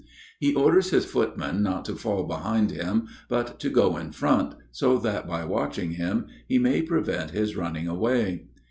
He orders his footman not to fall behind him, but to go in front so that by watching him he may prevent his running away.